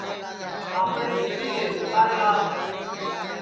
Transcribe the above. کاپڑے سُکی گے اُتاری لاو